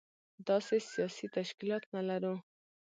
داسې سياسي تشکيلات نه لرو.